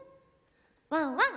ワンワン。